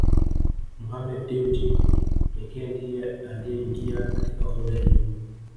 Mohammed Dewji pekee ndiye aliyeingia katika orodha hiyo